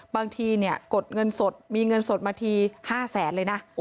บางทีกดเงินสดมีเงินสดมาที๕แสนเลยนะ